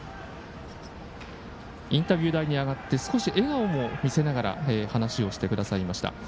インタビュー台に上がって少し笑顔も見せながら話をしてくださいました。